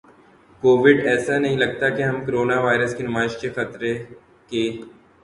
Covid ایسا نہیں لگتا کہ ہم کورونا وائرس کی نمائش کے خطرے ک